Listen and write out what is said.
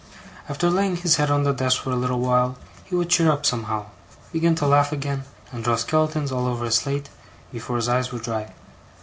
After laying his head on the desk for a little while, he would cheer up, somehow, begin to laugh again, and draw skeletons all over his slate, before his eyes were dry.